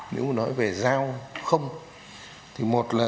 nếu mà nói về dao không thì một là